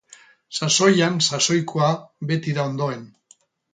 Sasoian sasoikoa beti da ondoen.